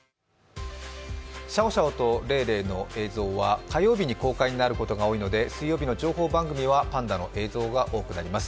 シャオシャオとレイレイの映像は火曜日に公開になることが多いので水曜日の情報番組はパンダの映像が多くなります。